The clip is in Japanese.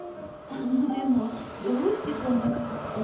あのでもどうしてそんな格好？